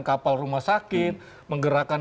kapal rumah sakit menggerakkan